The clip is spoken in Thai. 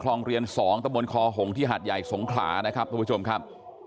โรงเรียน๒ตะบนคอหงที่หาดใหญ่สงขลานะครับทุกผู้ชมครับ